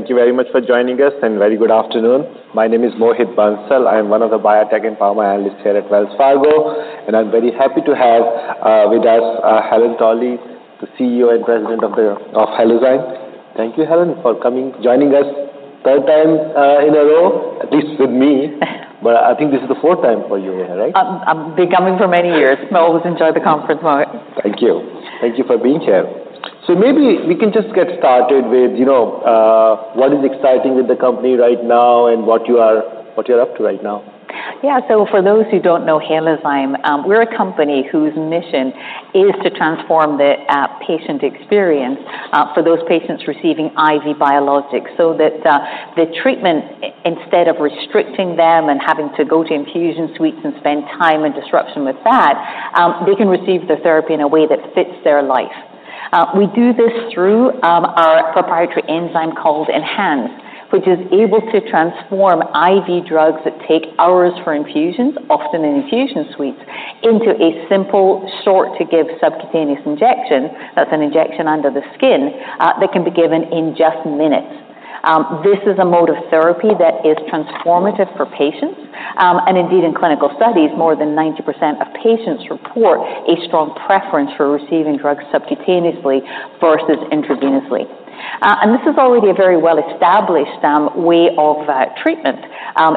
Thank you very much for joining us, and very good afternoon. My name is Mohit Bansal. I am one of the biotech and pharma analysts here at Wells Fargo, and I'm very happy to have with us Helen Torley, the CEO and President of Halozyme. Thank you, Helen, for coming, joining us third time in a row, at least with me. But I think this is the fourth time for you here, right? I've been coming for many years. I always enjoy the conference, Mohit. Thank you. Thank you for being here. So maybe we can just get started with, you know, what is exciting with the company right now and what you're up to right now. Yeah. So for those who don't know Halozyme, we're a company whose mission is to transform the patient experience for those patients receiving IV biologics, so that the treatment, instead of restricting them and having to go to infusion suites and spend time and disruption with that, they can receive the therapy in a way that fits their life. We do this through our proprietary enzyme called ENHANZE, which is able to transform IV drugs that take hours for infusions, often in infusion suites, into a simple, short-to-give subcutaneous injection, that's an injection under the skin, that can be given in just minutes. This is a mode of therapy that is transformative for patients. And indeed, in clinical studies, more than 90% of patients report a strong preference for receiving drugs subcutaneously versus intravenously. This is already a very well-established way of treatment.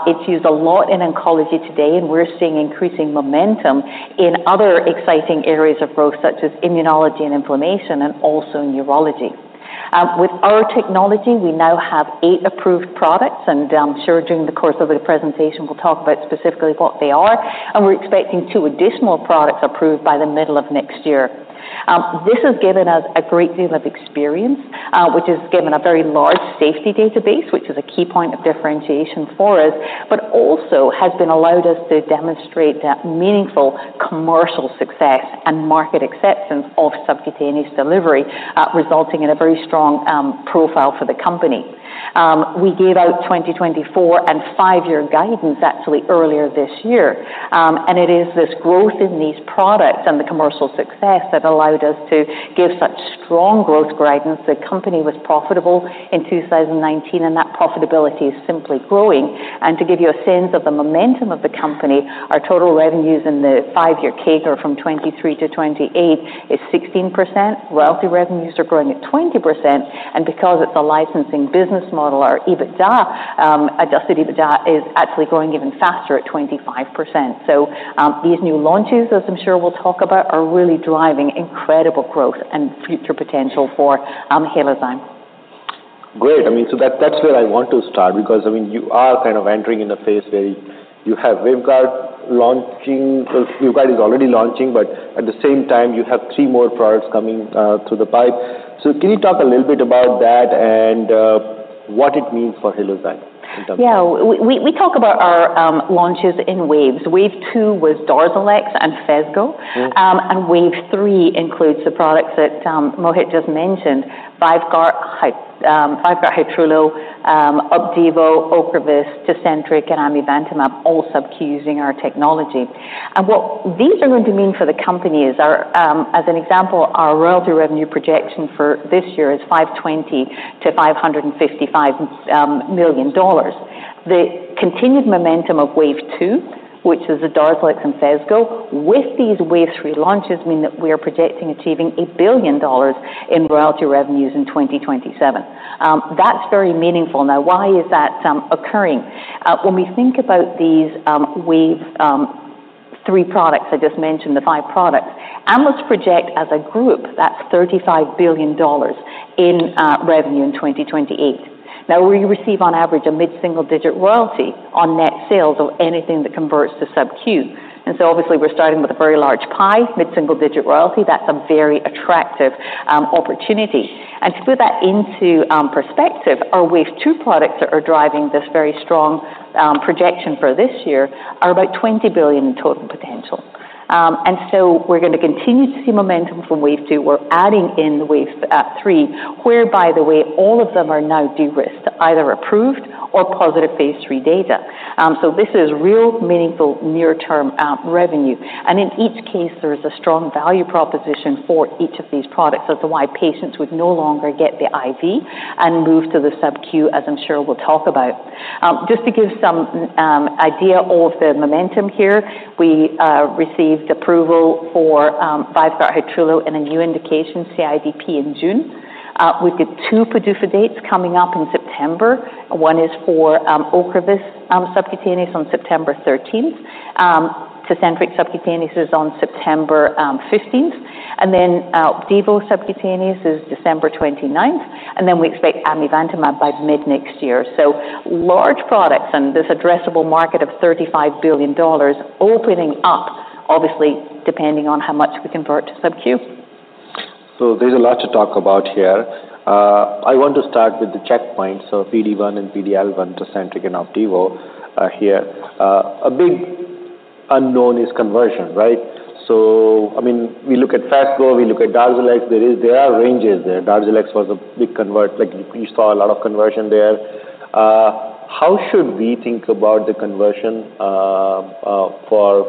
It's used a lot in oncology today, and we're seeing increasing momentum in other exciting areas of growth, such as immunology and inflammation, and also neurology. With our technology, we now have eight approved products, and I'm sure during the course of the presentation, we'll talk about specifically what they are, and we're expecting two additional products approved by the middle of next year. This has given us a great deal of experience, which has given a very large safety database, which is a key point of differentiation for us, but also has been allowed us to demonstrate that meaningful commercial success and market acceptance of subcutaneous delivery, resulting in a very strong profile for the company. We gave out 2024 and five-year guidance actually earlier this year. And it is this growth in these products and the commercial success that allowed us to give such strong growth guidance. The company was profitable in 2019, and that profitability is simply growing. And to give you a sense of the momentum of the company, our total revenues in the five-year CAGR from 2023 to 2028 is 16%. Royalty revenues are growing at 20%, and because it's a licensing business model, our EBITDA, adjusted EBITDA, is actually growing even faster at 25%. So, these new launches, as I'm sure we'll talk about, are really driving incredible growth and future potential for Halozyme. Great. I mean, that's where I want to start, because, I mean, you are kind of entering in a phase where you have Vyvgart launching. Well, Vyvgart is already launching, but at the same time, you have three more products coming through the pipe. So can you talk a little bit about that and what it means for Halozyme in terms of- Yeah. We talk about our launches in waves. Wave two was Darzalex and Phesgo. Mm-hmm. Wave three includes the products that Mohit just mentioned, Vyvgart Hytrulo, Opdivo, Ocrevus, Tecentriq, and amivantamab, all sub-Q-ing our technology. What these are going to mean for the company is our. As an example, our royalty revenue projection for this year is $520 million-$555 million. The continued momentum of wave two, which is the Darzalex and Phesgo, with these wave three launches, mean that we are projecting achieving $1 billion in royalty revenues in 2027. That's very meaningful. Now, why is that occurring? When we think about these wave three products I just mentioned, the five products, analysts project as a group, that's $35 billion in revenue in 2028. Now, we receive, on average, a mid-single-digit royalty on net sales of anything that converts to sub-Q. So obviously, we're starting with a very large pie, mid-single-digit royalty. That's a very attractive opportunity. And to put that into perspective, our wave two products that are driving this very strong projection for this year are about 20 billion in total potential. And so we're going to continue to see momentum from wave two. We're adding in wave three, where, by the way, all of them are now de-risked, either approved or positive phase III data. So this is real meaningful near-term revenue. And in each case, there is a strong value proposition for each of these products as to why patients would no longer get the IV and move to the sub-Q, as I'm sure we'll talk about. Just to give some idea of the momentum here, we received approval for Vyvgart Hytrulo and a new indication, CIDP, in June. We've got two PDUFA dates coming up in September. One is for Ocrevus subcutaneous on September 13th. Tecentriq subcutaneous is on September 15th, and then Opdivo subcutaneous is December 29th, and then we expect amivantamab by mid-next year. So large products and this addressable market of $35 billion opening up, obviously, depending on how much we convert to sub-Q. There's a lot to talk about here. I want to start with the checkpoint, so PD-1 and PD-L1, Tecentriq and Opdivo are here. A big unknown is conversion, right? So I mean, we look at Phesgo, we look at Darzalex, there are ranges there. Darzalex was a big convert, like you saw a lot of conversion there. How should we think about the conversion for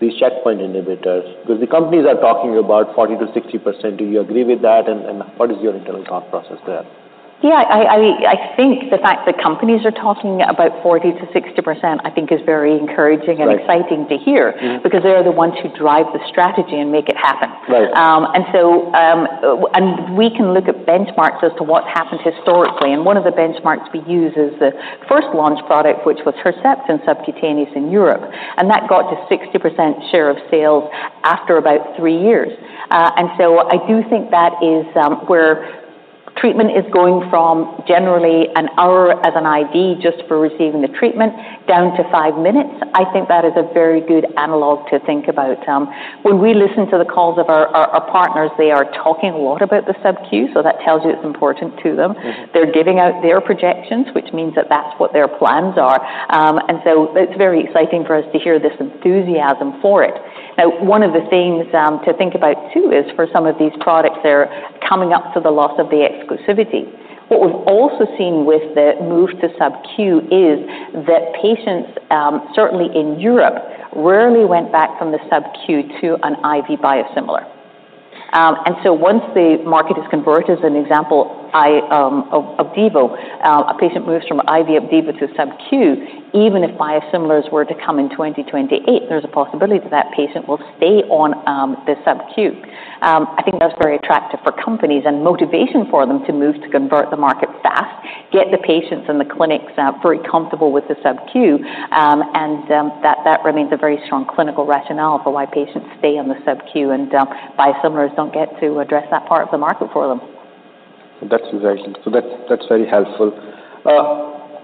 these checkpoint inhibitors? Because the companies are talking about 40%-60%. Do you agree with that, and what is your internal thought process there? Yeah, I think the fact that companies are talking about 40%-60%, I think is very encouraging- Right. and exciting to hear. Mm-hmm. Because they are the ones who drive the strategy and make it happen. Right. We can look at benchmarks as to what's happened historically, and one of the benchmarks we use is the first launch product, which was Herceptin subcutaneous in Europe, and that got to 60% share of sales after about three years. So I do think that is where treatment is going from generally an hour as an IV just for receiving the treatment, down to five minutes. I think that is a very good analog to think about. When we listen to the calls of our partners, they are talking a lot about the sub-Q, so that tells you it's important to them. Mm-hmm. They're giving out their projections, which means that that's what their plans are. And so it's very exciting for us to hear this enthusiasm for it. Now, one of the things to think about, too, is for some of these products, they're coming up to the loss of the exclusivity. What we've also seen with the move to sub-Q is that patients certainly in Europe, rarely went back from the sub-Q to an IV biosimilar. And so once the market is converted, as an example, of Opdivo, a patient moves from IV Opdivo to sub-Q, even if biosimilars were to come in 2028, there's a possibility that that patient will stay on the sub-Q. I think that's very attractive for companies and motivation for them to move to convert the market fast, get the patients in the clinics, very comfortable with the sub-Q, and that remains a very strong clinical rationale for why patients stay on the sub-Q, and biosimilars don't get to address that part of the market for them. That's very. So that's very helpful. I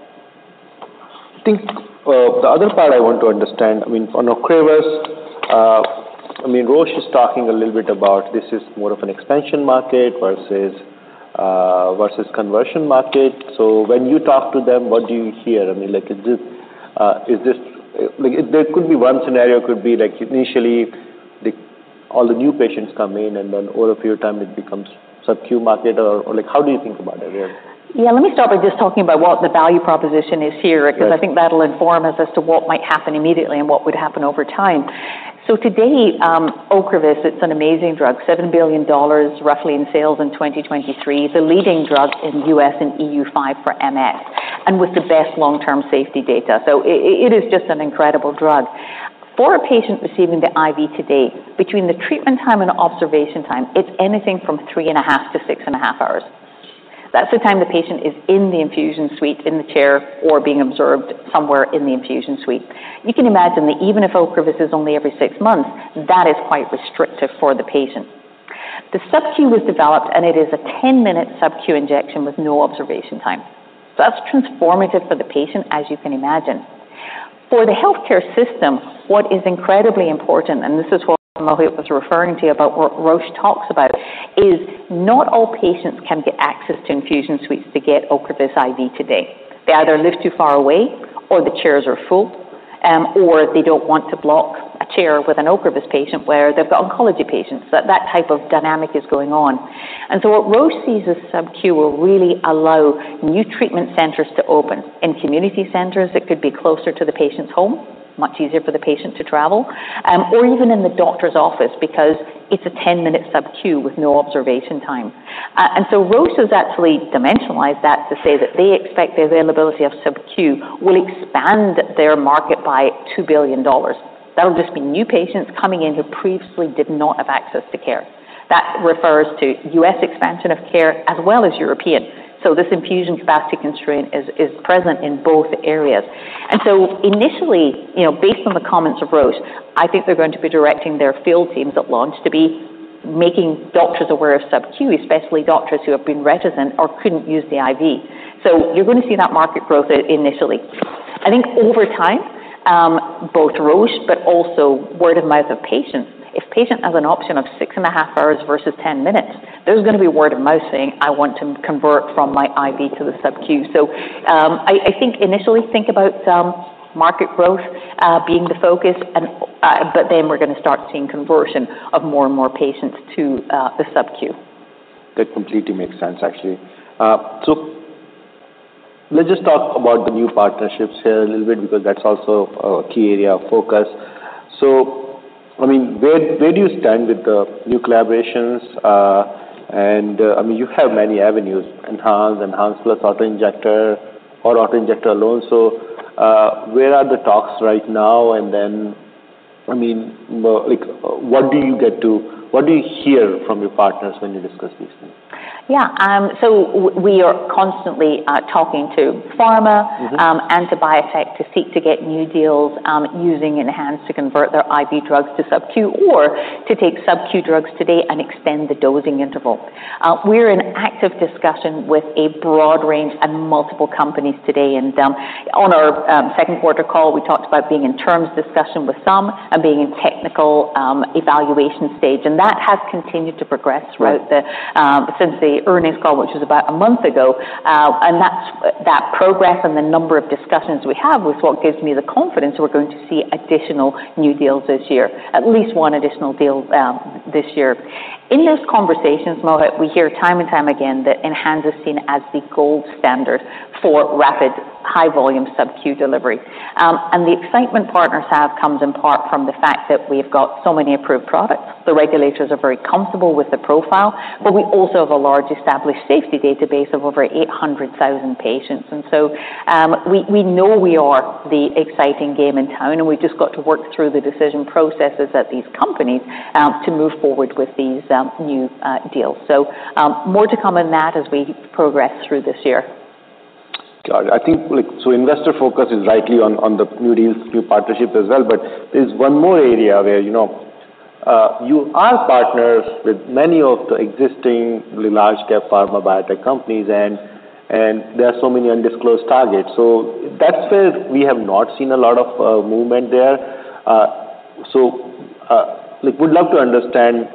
think, the other part I want to understand, I mean, on Ocrevus, I mean, Roche is talking a little bit about this is more of an expansion market versus, versus conversion market. So when you talk to them, what do you hear? I mean, like, is this, is this. Like, there could be one scenario, could be, like, initially, the, all the new patients come in, and then over a few time, it becomes sub-Q market, or, or, like, how do you think about it there? Yeah, let me start by just talking about what the value proposition is here- Right. -because I think that'll inform us as to what might happen immediately and what would happen over time. So today, Ocrevus, it's an amazing drug, $7 billion, roughly, in sales in 2023. The leading drug in U.S. and EU5 for MS, and with the best long-term safety data. So it is just an incredible drug. For a patient receiving the IV today, between the treatment time and observation time, it's anything from three and a half to six and a half hours. That's the time the patient is in the infusion suite, in the chair, or being observed somewhere in the infusion suite. You can imagine that even if Ocrevus is only every six months, that is quite restrictive for the patient. The sub-Q was developed, and it is a 10-minute sub-Q injection with no observation time. That's transformative for the patient, as you can imagine. For the healthcare system, what is incredibly important, and this is what Mohit was referring to about what Roche talks about, is not all patients can get access to infusion suites to get Ocrevus IV today. They either live too far away, or the chairs are full, or they don't want to block a chair with an Ocrevus patient, where they've got oncology patients. That, that type of dynamic is going on. And so what Roche sees as sub-Q will really allow new treatment centers to open. In community centers, it could be closer to the patient's home, much easier for the patient to travel, or even in the doctor's office, because it's a ten-minute sub-Q with no observation time. And so Roche has actually dimensionalized that to say that they expect the availability of sub-Q will expand their market by $2 billion. That'll just be new patients coming in who previously did not have access to care. That refers to U.S. expansion of care as well as European. So this infusion capacity constraint is present in both areas. And so initially, you know, based on the comments of Roche, I think they're going to be directing their field teams at launch to be making doctors aware of sub-Q, especially doctors who have been reticent or couldn't use the IV. So you're going to see that market growth initially. I think over time, both Roche, but also word-of-mouth of patients, if patient has an option of six and a half hours versus 10 minutes, there's gonna be word of mouth saying, "I want to convert from my IV to the sub-Q." So, I think initially, think about market growth being the focus, and but then we're gonna start seeing conversion of more and more patients to the sub-Q. That completely makes sense, actually. So let's just talk about the new partnerships here a little bit, because that's also a key area of focus. So I mean, where do you stand with the new collaborations? And I mean, you have many avenues, ENHANZE, ENHANZE plus auto-injector or auto-injector alone. So where are the talks right now? And then, I mean, like, what do you get to... What do you hear from your partners when you discuss these things? Yeah, so we are constantly talking to pharma- Mm-hmm. And to biotech to seek to get new deals using ENHANZE to convert their IV drugs to sub-Q, or to take sub-Q drugs today and extend the dosing interval. We're in active discussion with a broad range of multiple companies today. On our second quarter call, we talked about being in term discussions with some and being in technical evaluation stage, and that has continued to progress throughout the time since the earnings call, which was about a month ago. That progress and the number of discussions we have is what gives me the confidence we're going to see additional new deals this year, at least one additional deal this year. In those conversations, Mohit, we hear time and time again that ENHANZE is seen as the gold standard for rapid, high volume sub-Q delivery. And the excitement partners have comes in part from the fact that we've got so many approved products. The regulators are very comfortable with the profile, but we also have a large established safety database of over 800,000 patients. And so, we know we are the exciting game in town, and we've just got to work through the decision processes at these companies to move forward with these new deals. So, more to come on that as we progress through this year. Got it. I think, like, so investor focus is rightly on the new deals, new partnerships as well, but there's one more area where, you know, you are partners with many of the existing large cap pharma biotech companies, and there are so many undisclosed targets, so that's where we have not seen a lot of movement there, so like, we'd love to understand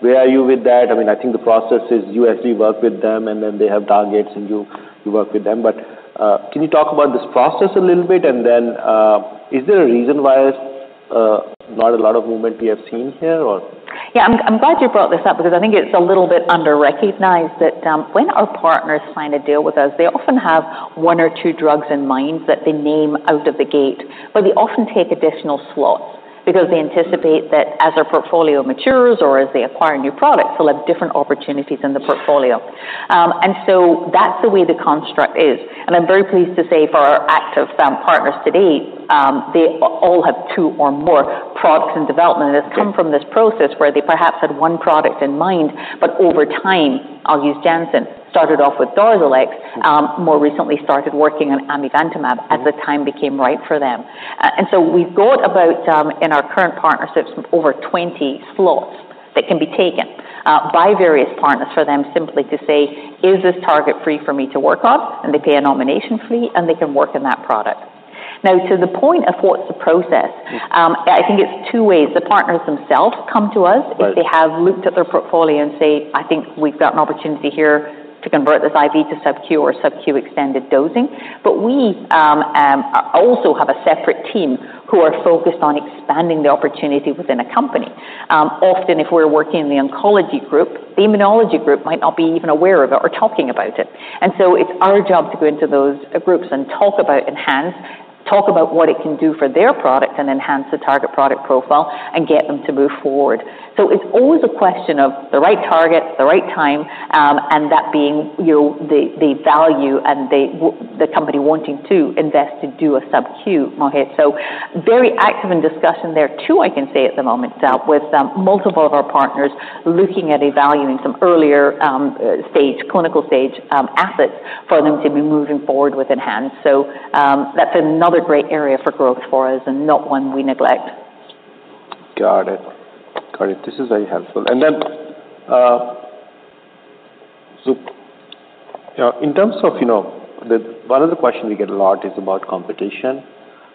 where are you with that. I mean, I think the process is you actually work with them, and then they have targets, and you work with them, but can you talk about this process a little bit, and then, is there a reason why not a lot of movement we have seen here or? Yeah, I'm glad you brought this up, because I think it's a little bit under-recognized that when our partners sign a deal with us, they often have one or two drugs in mind that they name out of the gate. But they often take additional slots because they anticipate that as our portfolio matures or as they acquire new products, they'll have different opportunities in the portfolio. And so that's the way the construct is. And I'm very pleased to say, for our active partners to date, they all have two or more products in development, and it's come from this process where they perhaps had one product in mind, but over time... I'll use Janssen, started off with Darzalex, more recently started working on amivantamab as the time became right for them. And so we've got about, in our current partnerships, over 20 slots that can be taken by various partners for them simply to say, "Is this target free for me to work on?" And they pay a nomination fee, and they can work on that product. Now, to the point of what's the process, I think it's two ways. The partners themselves come to us- Right. If they have looked at their portfolio and say, "I think we've got an opportunity here to convert this IV to sub-Q or sub-Q extended dosing." But we also have a separate team who are focused on expanding the opportunity within a company. Often, if we're working in the oncology group, the immunology group might not be even aware of it or talking about it. And so it's our job to go into those groups and talk about ENHANZE, talk about what it can do for their product and enhance the target product profile and get them to move forward. So it's always a question of the right target, the right time, and that being, you know, the value and the company wanting to invest to do a sub-Q, Mohit. So very active in discussion there, too. I can say at the moment with multiple of our partners looking at evaluating some earlier stage, clinical stage assets for them to be moving forward with ENHANZE. So, that's another great area for growth for us and not one we neglect. Got it. Got it. This is very helpful. And then, so, in terms of, you know, the... One of the questions we get a lot is about competition.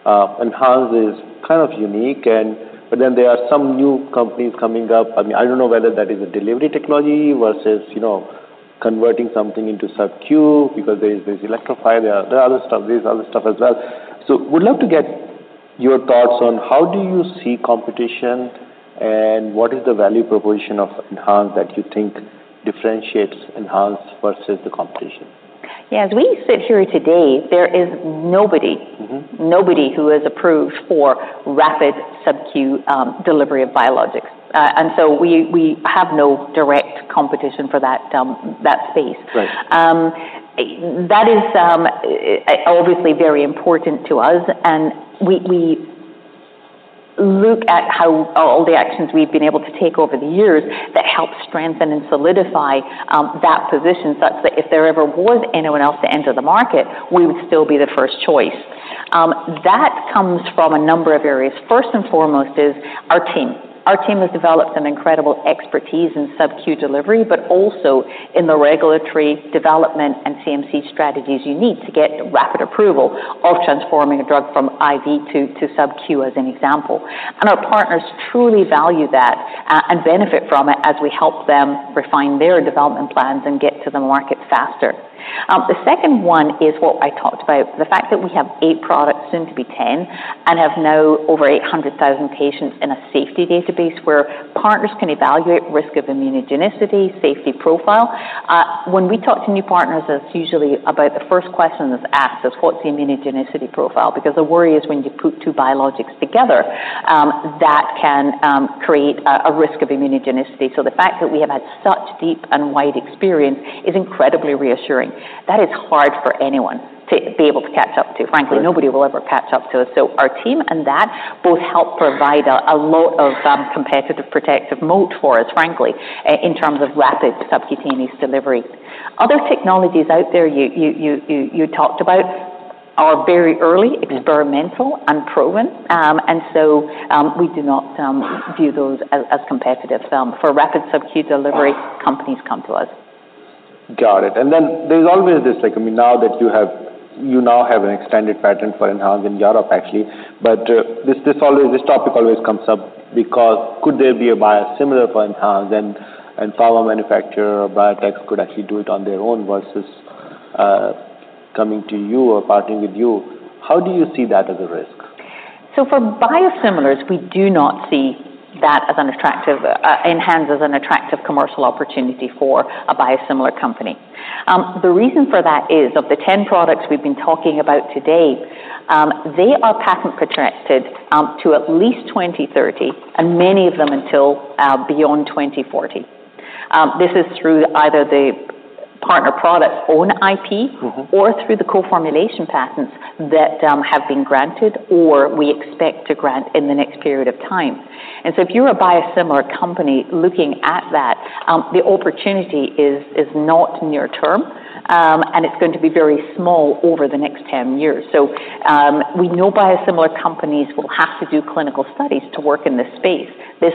ENHANZE is kind of unique and but then there are some new companies coming up. I mean, I don't know whether that is a delivery technology versus, you know, converting something into sub-Q, because there's Elektrofi, there are other stuff, there's other stuff as well. So would love to get your thoughts on how do you see competition, and what is the value proposition of ENHANZE that you think differentiates ENHANZE versus the competition? Yeah, as we sit here today, there is nobody- Mm-hmm. Nobody who is approved for rapid sub-Q delivery of biologics, and so we have no direct competition for that space. Right. That is obviously very important to us, and we look at how all the actions we've been able to take over the years that help strengthen and solidify that position, such that if there ever was anyone else to enter the market, we would still be the first choice. That comes from a number of areas. First and foremost is our team. Our team has developed an incredible expertise in sub-Q delivery, but also in the regulatory development and CMC strategies you need to get rapid approval of transforming a drug from IV to sub-Q, as an example, and our partners truly value that and benefit from it as we help them refine their development plans and get to the market faster. The second one is what I talked about, the fact that we have eight products, soon to be 10, and have now over 800,000 patients in a safety database where partners can evaluate risk of immunogenicity, safety profile. When we talk to new partners, it's usually about the first question that's asked is: What's the immunogenicity profile? Because the worry is when you put two biologics together, that can create a risk of immunogenicity. So the fact that we have had such deep and wide experience is incredibly reassuring. That is hard for anyone to be able to catch up to. Right. Frankly, nobody will ever catch up to us. So our team and that both help provide a lot of competitive protective moat for us, frankly, in terms of rapid subcutaneous delivery. Other technologies out there, you talked about are very early, experimental, unproven, and so we do not view those as competitive. For rapid sub-Q delivery, companies come to us. Got it. And then there's always this, like, I mean, now that you now have an extended patent for ENHANZE in Europe, actually. But this topic always comes up because could there be a biosimilar for ENHANZE and a fellow manufacturer or biotech could actually do it on their own versus coming to you or partnering with you? How do you see that as a risk? For biosimilars, we do not see ENHANZE as an attractive commercial opportunity for a biosimilar company. The reason for that is, of the 10 products we've been talking about today, they are patent protected to at least 2030, and many of them until beyond 2040. This is through either the partner product's own IP- Mm-hmm. Or through the co-formulation patents that have been granted or we expect to grant in the next period of time. And so if you're a biosimilar company looking at that, the opportunity is not near term, and it's going to be very small over the next ten years. So we know biosimilar companies will have to do clinical studies to work in this space. This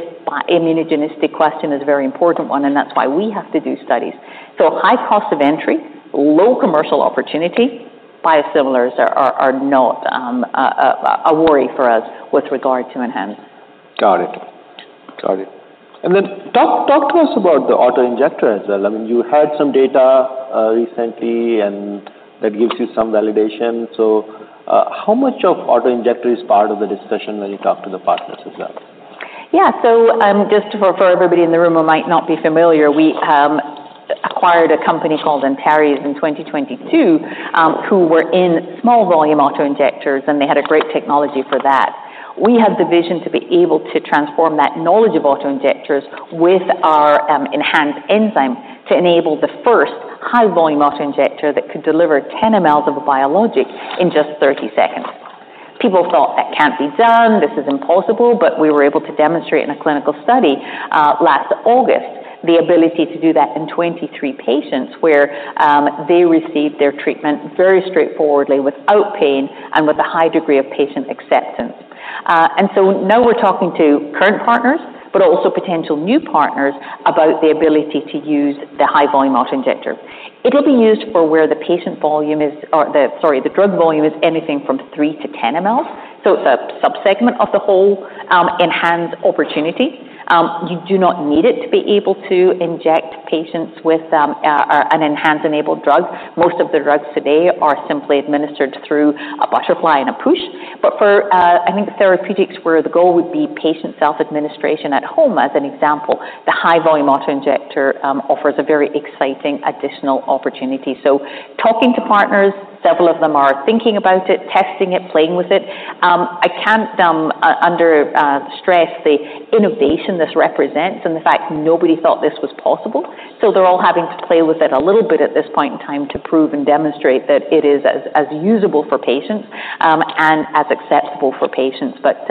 immunogenicity question is a very important one, and that's why we have to do studies. So high cost of entry, low commercial opportunity, biosimilars are not a worry for us with regard to ENHANZE. Got it. Got it. And then talk to us about the auto-injector as well. I mean, you had some data recently, and that gives you some validation. So, how much of auto-injector is part of the discussion when you talk to the partners as well? Yeah. So, just for everybody in the room who might not be familiar, we acquired a company called Antares in 2022, who were in small volume auto-injectors, and they had a great technology for that. We had the vision to be able to transform that knowledge of auto-injectors with our ENHANZE enzyme to enable the first high-volume auto-injector that could deliver 10 mL of a biologic in just 30 seconds. People thought, "That can't be done, this is impossible," but we were able to demonstrate in a clinical study last August, the ability to do that in 23 patients, where they received their treatment very straightforwardly, without pain, and with a high degree of patient acceptance. And so now we're talking to current partners, but also potential new partners about the ability to use the high-volume auto-injector. It'll be used for where the patient volume is, or the drug volume is anything from 3 mL-10 mL, so it's a subsegment of the whole ENHANZE opportunity. You do not need it to be able to inject patients with an ENHANZE-enabled drug. Most of the drugs today are simply administered through a butterfly and a push. But for, I think, therapeutics, where the goal would be patient self-administration at home, as an example, the high-volume auto-injector offers a very exciting additional opportunity. So talking to partners, several of them are thinking about it, testing it, playing with it. I can't under stress the innovation this represents and the fact nobody thought this was possible. So they're all having to play with it a little bit at this point in time to prove and demonstrate that it is as usable for patients, and as acceptable for patients. But,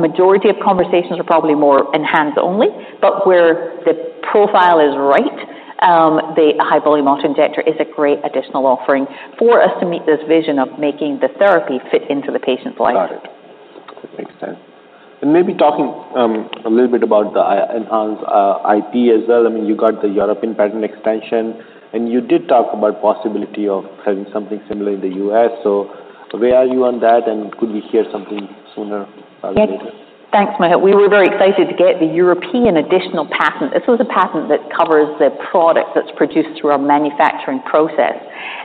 the majority of conversations are probably more enhanced only, but where the profile is right, the high-volume auto-injector is a great additional offering for us to meet this vision of making the therapy fit into the patient's life. Got it. That makes sense. And maybe talking a little bit about the ENHANZE IP as well. I mean, you got the European patent extension, and you did talk about possibility of having something similar in the U.S. So where are you on that, and could we hear something sooner rather than later? Thanks, Mohit. We were very excited to get the European additional patent. This was a patent that covers the product that's produced through our manufacturing process,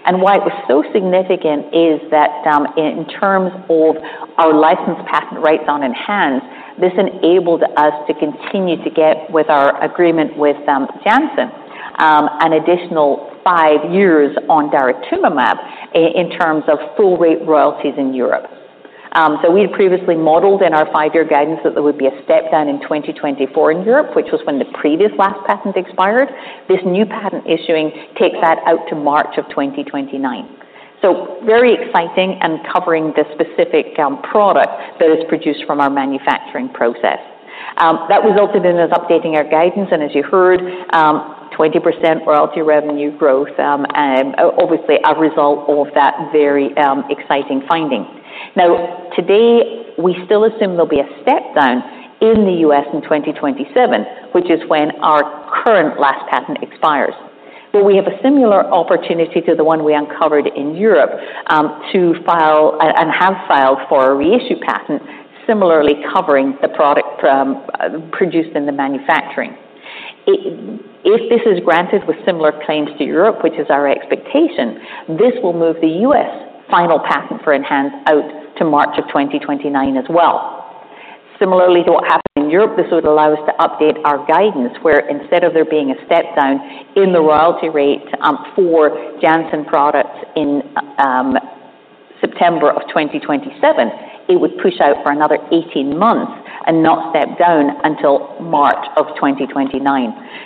and why it was so significant is that, in terms of our licensed patent rights on ENHANZE, this enabled us to continue to get with our agreement with, Janssen, an additional five years on daratumumab in terms of full rate royalties in Europe. So we had previously modeled in our five-year guidance that there would be a step down in 2024 in Europe, which was when the previous last patent expired. This new patent issuing takes that out to March 2029. So very exciting and covering the specific, product that is produced from our manufacturing process. That resulted in us updating our guidance, and as you heard, 20% royalty revenue growth, and obviously a result of that very exciting finding. Now, today, we still assume there'll be a step down in the U.S. in 2027, which is when our current last patent expires, where we have a similar opportunity to the one we uncovered in Europe, to file and have filed for a reissue patent, similarly covering the product produced in the manufacturing. If this is granted with similar claims to Europe, which is our expectation, this will move the U.S. final patent for ENHANZE out to March 2029 as well. Similarly to what happened in Europe, this would allow us to update our guidance, where instead of there being a step down in the royalty rate, for Janssen products in September 2027, it would push out for another 18 months and not step down until March 2029.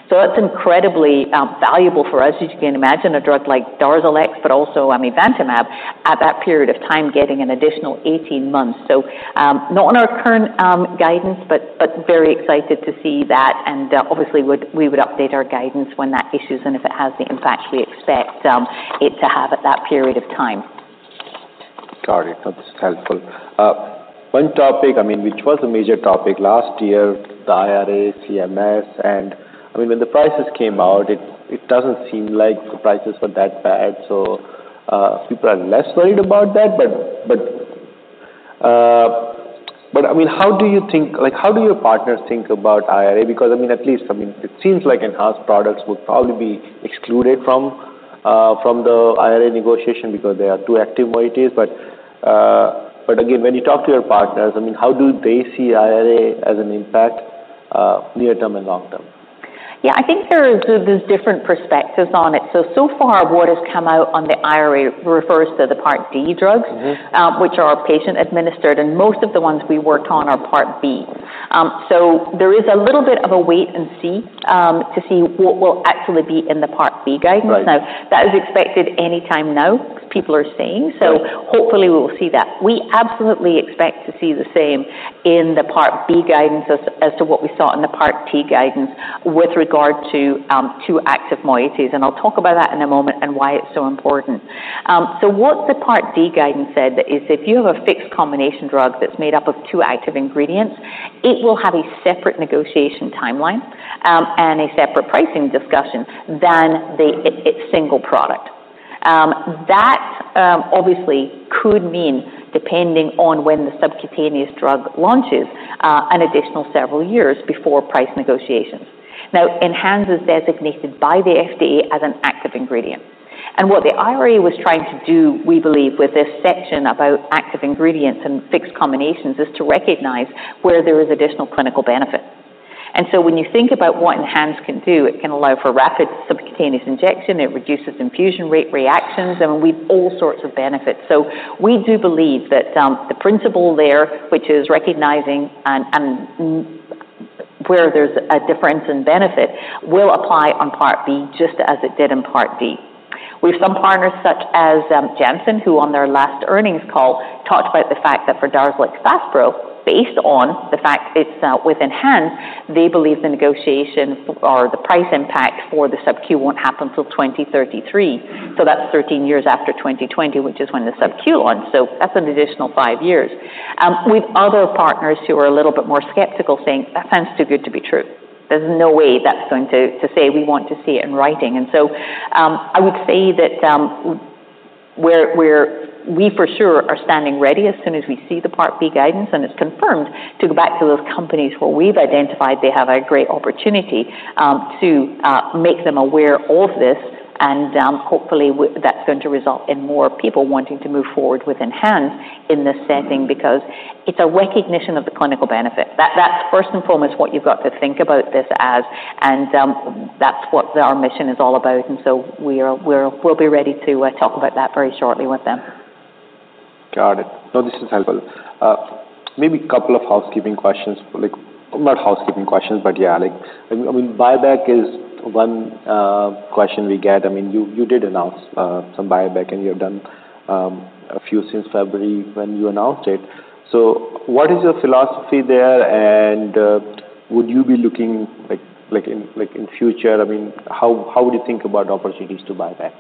So that's incredibly valuable for us. As you can imagine, a drug like Darzalex, but also amivantamab at that period of time, getting an additional 18 months. So, not on our current guidance, but very excited to see that, and obviously, we would update our guidance when that issues and if it has the impact we expect, it to have at that period of time. Got it. No, this is helpful. One topic, I mean, which was a major topic last year, the IRA, CMS, and, I mean, when the prices came out, it doesn't seem like the prices were that bad, so people are less worried about that. But, I mean, how do you think, like, how do your partners think about IRA? Because, I mean, at least, I mean, it seems like ENHANZE products would probably be excluded from the IRA negotiation because they are two active moieties. But again, when you talk to your partners, I mean, how do they see IRA as an impact, near term and long term? Yeah, I think there is. There's different perspectives on it. So far, what has come out on the IRA refers to the Part D drugs- Mm-hmm. Which are patient administered, and most of the ones we worked on are Part B. So there is a little bit of a wait and see, to see what will actually be in the Part B guidance. Right. Now, that is expected anytime now, people are saying, so- Right Hopefully we will see that. We absolutely expect to see the same in the Part B guidance as to what we saw in the Part D guidance with regard to two active moieties, and I'll talk about that in a moment and why it's so important. So what the Part D guidance said is, if you have a fixed combination drug that's made up of two active ingredients, it will have a separate negotiation timeline and a separate pricing discussion than its single product. That obviously could mean, depending on when the subcutaneous drug launches, an additional several years before price negotiations. Now, ENHANZE is designated by the FDA as an active ingredient. What the IRA was trying to do, we believe, with this section about active ingredients and fixed combinations, is to recognize where there is additional clinical benefit. So when you think about what ENHANZE can do, it can allow for rapid subcutaneous injection, it reduces infusion rate reactions. I mean, we all sorts of benefits. We do believe that the principle there, which is recognizing where there's a difference in benefit, will apply on Part B just as it did in Part D. We have some partners, such as Janssen, who, on their last earnings call, talked about the fact that for drugs like Faspro, based on the fact it's with ENHANZE, they believe the negotiation or the price impact for the sub-Q won't happen till 2033. So that's 13 years after 2020, which is when the sub-Q launched, so that's an additional five years. We've other partners who are a little bit more skeptical, saying, "That sounds too good to be true. There's no way that's going to say we want to see it in writing." And so, I would say that we're for sure standing ready as soon as we see the Part B guidance, and it's confirmed to go back to those companies where we've identified they have a great opportunity, to make them aware of this, and hopefully that's going to result in more people wanting to move forward with ENHANZE in this setting, because it's a recognition of the clinical benefit. That, that's first and foremost what you've got to think about this as, and that's what our mission is all about, and so we'll be ready to talk about that very shortly with them. Got it. No, this is helpful. Maybe a couple of housekeeping questions. Like, not housekeeping questions, but yeah, like, I mean, buyback is one question we get. I mean, you did announce some buyback, and you've done a few since February when you announced it. So what is your philosophy there, and would you be looking, like, in future, I mean, how would you think about opportunities to buyback?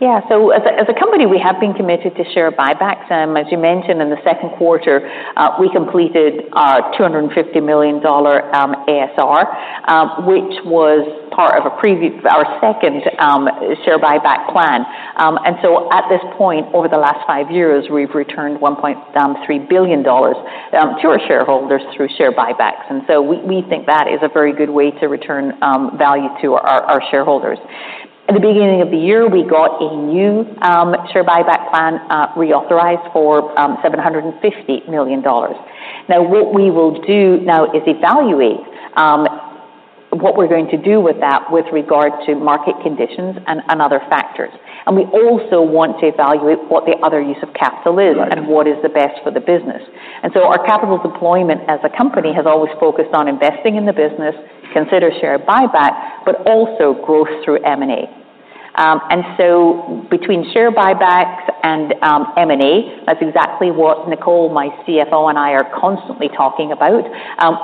Yeah, so as a company, we have been committed to share buybacks. As you mentioned, in the second quarter, we completed a $250 million ASR, which was part of our second share buyback plan. At this point, over the last five years, we've returned $1.3 billion to our shareholders through share buybacks, and we think that is a very good way to return value to our shareholders. At the beginning of the year, we got a new share buyback plan reauthorized for $750 million. Now, what we will do now is evaluate what we're going to do with that with regard to market conditions and other factors. We also want to evaluate what the other use of capital is. Right And what is the best for the business. And so our capital deployment as a company has always focused on investing in the business, consider share buyback, but also growth through M&A. And so between share buybacks and, M&A, that's exactly what Nicole, my CFO, and I are constantly talking about.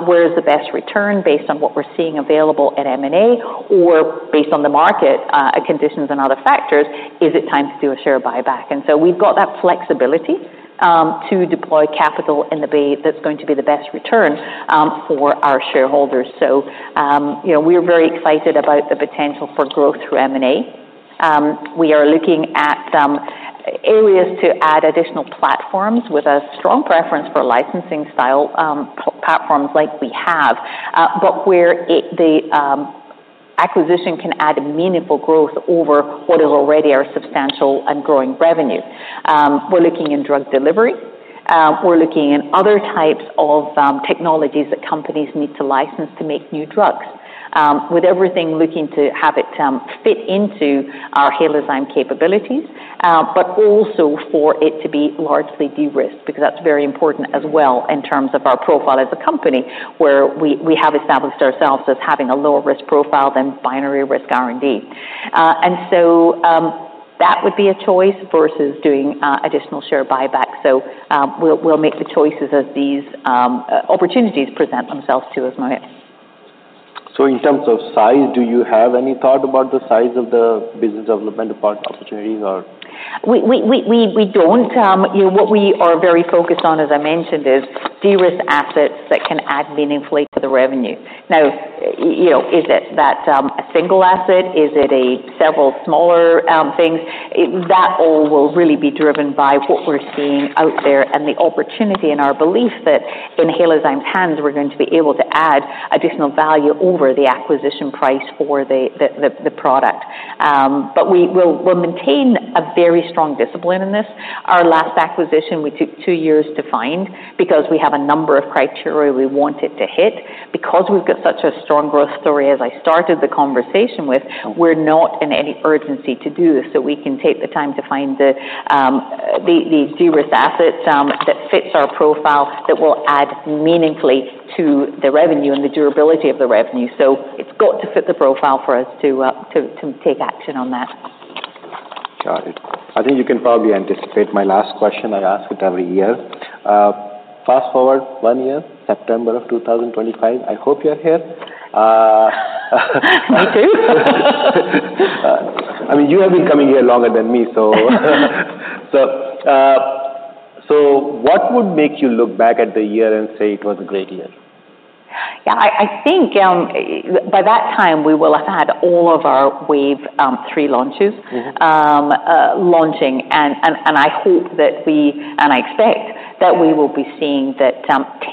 Where is the best return based on what we're seeing available at M&A, or based on the market, conditions and other factors, is it time to do a share buyback? And so we've got that flexibility, to deploy capital in the way that's going to be the best return, for our shareholders. So, you know, we're very excited about the potential for growth through M&A. We are looking at areas to add additional platforms with a strong preference for licensing style platforms like we have, but where the acquisition can add meaningful growth over what is already our substantial and growing revenue. We're looking in drug delivery, we're looking in other types of technologies that companies need to license to make new drugs, with everything looking to have it fit into our Halozyme capabilities, but also for it to be largely de-risked, because that's very important as well in terms of our profile as a company, where we have established ourselves as having a lower risk profile than binary risk R&D. That would be a choice versus doing additional share buybacks. We'll make the choices as these opportunities present themselves to us, Mohit. So in terms of size, do you have any thought about the size of the business development part opportunities or? We don't. You know, what we are very focused on, as I mentioned, is de-risk assets that can add meaningfully to the revenue. Now, you know, is it a single asset? Is it several smaller things? That all will really be driven by what we're seeing out there and the opportunity and our belief that in Halozyme's hands, we're going to be able to add additional value over the acquisition price for the product. But we will, we'll maintain a very strong discipline in this. Our last acquisition, we took two years to find because we have a number of criteria we want it to hit. Because we've got such a strong growth story, as I started the conversation with, we're not in any urgency to do this, so we can take the time to find the de-risk assets that fits our profile, that will add meaningfully to the revenue and the durability of the revenue. So it's got to fit the profile for us to take action on that. Got it. I think you can probably anticipate my last question. I ask it every year. Fast-forward one year, September 2025, I hope you're here. Me too. I mean, you have been coming here longer than me, so... So, so what would make you look back at the year and say it was a great year? Yeah, I think by that time we will have had all of our wave three launches- Mm-hmm Launching, and I hope that we, and I expect that we will be seeing that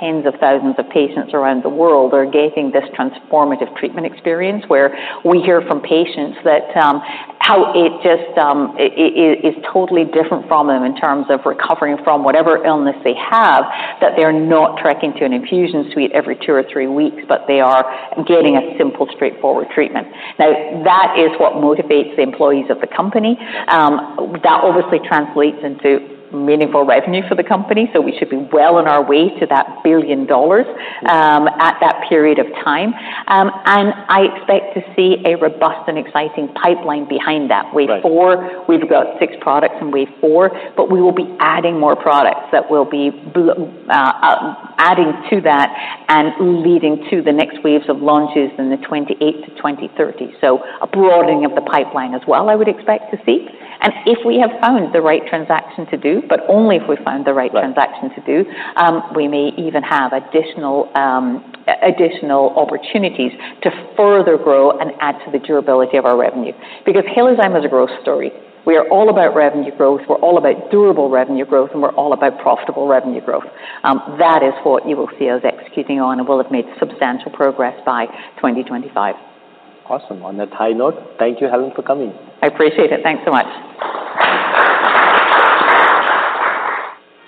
tens of thousands of patients around the world are getting this transformative treatment experience, where we hear from patients that how it just it is totally different for them in terms of recovering from whatever illness they have, that they're not trekking to an infusion suite every two or three weeks, but they are getting a simple, straightforward treatment. Now, that is what motivates the employees of the company. That obviously translates into meaningful revenue for the company, so we should be well on our way to that $1 billion at that period of time. I expect to see a robust and exciting pipeline behind that. Right. Wave four, we've got six products in wave four, but we will be adding more products that will be adding to that and leading to the next waves of launches in the 2028-2030. So a broadening of the pipeline as well, I would expect to see. And if we have found the right transaction to do, but only if we found the right transaction to do- Right We may even have additional opportunities to further grow and add to the durability of our revenue. Because Halozyme is a growth story. We are all about revenue growth, we're all about durable revenue growth, and we're all about profitable revenue growth. That is what you will see us executing on, and we'll have made substantial progress by 2025. Awesome. On that high note, thank you, Helen, for coming. I appreciate it. Thanks so much.